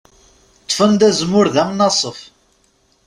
Ṭṭfen-d azemmur d amnaṣef.